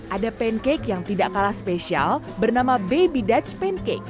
ada pancake yang tidak kalah spesial bernama baby dutch pancake